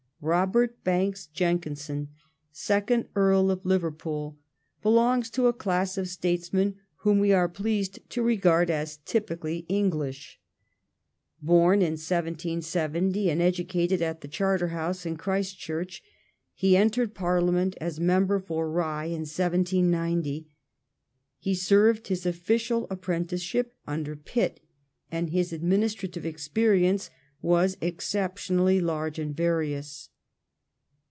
Robert Banks Jenkinson, second Earl of Liverpool, belongs to a class of statesmen whom we are pleased to regard as typically English. Born in 1770, and educated at the Charterhouse and Christ Church, he entered Parliament as member for Rye in 1790. He served his official apprenticeship under Pitt, and his adminis trative experience was exceptionally large and various.